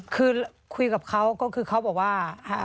คือคุยกับเขาก็คือเขาบอกว่า